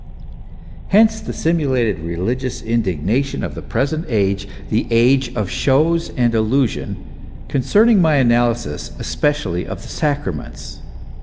Hence the simulated religious indignation of the pre sent age, the age of shows and illusion, concerning my analysis, especially of the Sacraments.